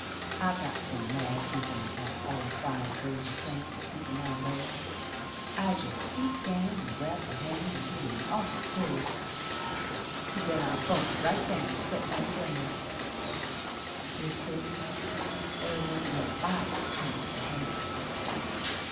I got so mad thinkin' o' that all fired brazen tramp Asleep in my laylocks, I jest stooped down and grabbed th' hand and give it an awful pull. Then I bumped right down settin' on the ground. Mis' Priest, ther warn't no body come with the hand.